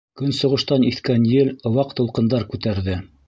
Көнсығыштан иҫкән ел ваҡ тулҡындар күтәрҙе.